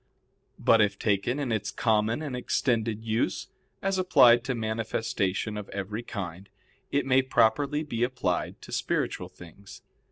But if taken in its common and extended use, as applied to manifestation of every kind, it may properly be applied to spiritual things.